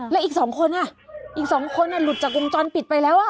แล้วอีก๒คนอีก๒คนหลุดจากวงจรปิดไปแล้ว